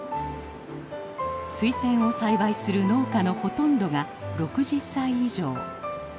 スイセンを栽培する農家のほとんどが６０歳以上。